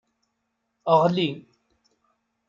Ɣli.